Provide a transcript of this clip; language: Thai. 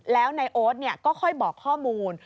แล้วนายโอ๊ตก็ค่อยบอกข้อมูล